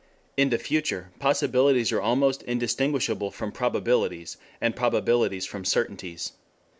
In the future possibilities are almost indistinguishable from probabilities and probabilities from certainties.